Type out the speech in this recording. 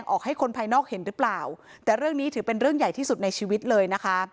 ออกให้คนภายนอกเห็นหรือเปล่าแต่เรื่องนี้ถือเป็นเรื่องใหญ่ที่สุดในชีวิตเลยนะคะ